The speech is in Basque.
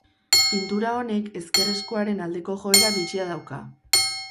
Pintura honek ezker eskuaren aldeko joera bitxia dauka.